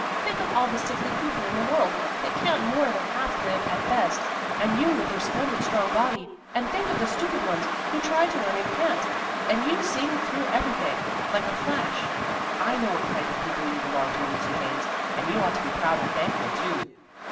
Think of all the sickly people in the world, that can't more than half live at best, and you with your splendid, strong body. And think of the stupid ones, who try to learn and can't, and you seeing through everything like a flash. I know what kind of people you belong to, Lucy Haines, and you ought to be proud and thankful, too."